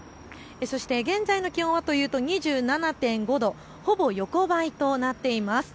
そして現在の気温はというと２７．５度、ほぼ横ばいとなっています。